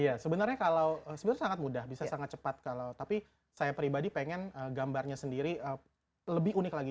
iya sebenarnya kalau sebenarnya sangat mudah bisa sangat cepat kalau tapi saya pribadi pengen gambarnya sendiri lebih unik lagi